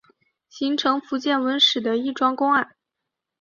形成福建文史上的一桩公案。